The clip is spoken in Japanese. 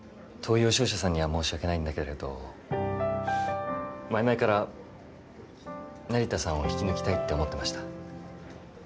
東洋商社さんには申し訳ないんだけれど前々から成田さんを引き抜きたいって思ってました。